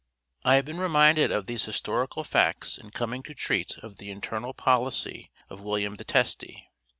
I have been reminded of these historical facts in coming to treat of the internal policy of William the Testy.